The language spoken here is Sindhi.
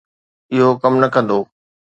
اهو ڪم نه ڪندو.